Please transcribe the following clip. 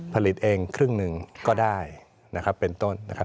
ผลิตเองครึ่งนึงก็ได้เป็นต้น